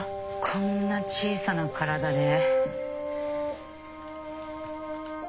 こんな小さな体で。